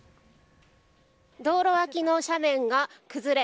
道路脇の斜面が崩れ